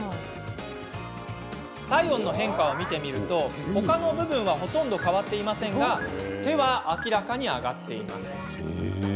体温の変化を見てみると他の部分はほとんど変わっていませんが手は明らかに上がっています。